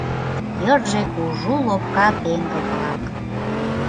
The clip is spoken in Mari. Йырже кужу лопка теҥгыл-влак.